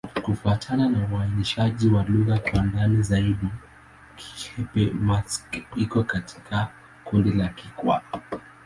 Kufuatana na uainishaji wa lugha kwa ndani zaidi, Kigbe-Maxi iko katika kundi la Kikwa.